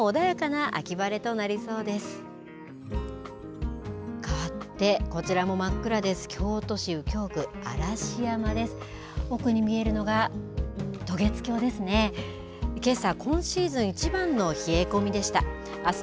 あすも穏やかな秋晴れとなりそうです。